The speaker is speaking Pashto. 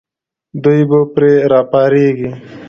دوی به پرې راپارېږي.